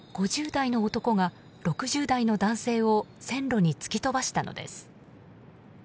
５０代の男が６０代の男性を線路に突き飛ばしたのです。